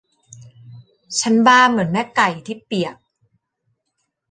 ฉันบ้าเหมือนแม่ไก่ที่เปียก